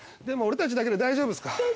でも俺たちだけで大丈夫っすか？